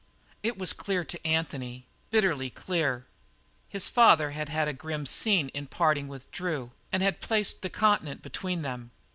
It was clear to Anthony, bitterly clear. His father had had a grim scene in parting with Drew and had placed the continent between them.